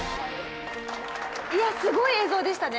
いやすごい映像でしたね。